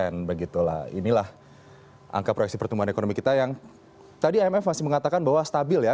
nah inilah angka proyeksi pertumbuhan ekonomi kita yang tadi imf masih mengatakan bahwa stabil ya